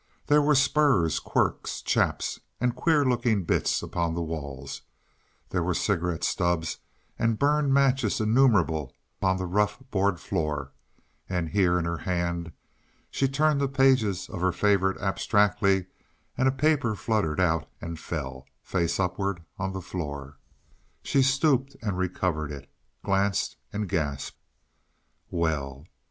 There were spurs, quirts, chaps and queer looking bits upon the walls; there were cigarette stubs and burned matches innumerable upon the rough, board floor, and here in her hand she turned the pages of her favorite abstractedly and a paper fluttered out and fell, face upward, on the floor. She stooped and recovered it, glanced and gasped. "Well!"